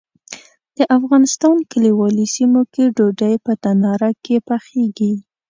د افغانستان کلیوالي سیمو کې ډوډۍ په تناره کې پخیږي.